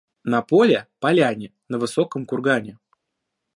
На поле — поляне, на высоком кургане.